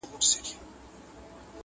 چي پر سر د دروازې یې سره ګلاب کرلي دینه٫